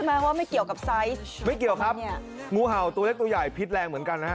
ไม่เกี่ยวกับไซซ์ไม่เกี่ยวครับงูเห่าตัวเล็กตัวใหญ่พิษแรงเหมือนกันนะฮะ